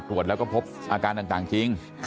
ตรวจแล้วก็พบอาการต่างจริง